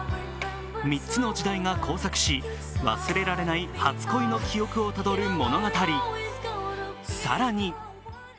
３つの時代が交錯し忘れられない初恋の記憶をたどる物語。